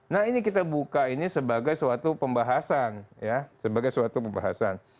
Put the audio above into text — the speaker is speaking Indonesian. nah ini kita buka ini sebagai suatu pembahasan